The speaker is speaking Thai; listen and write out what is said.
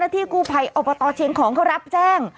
ที่กู้ภัยอบตเชียงของเขารับแจ้ง